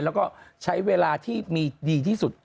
แล้วก็ใช้เวลาที่มีดีที่สุด